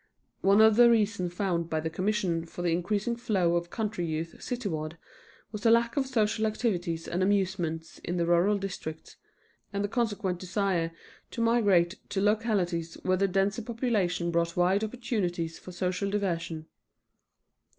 One of the reasons found by the Commission for the increasing flow of country youth cityward was the lack of social activities and amusements in the rural districts, and the consequent desire to migrate to localities where a denser population brought wide opportunities for social diversions.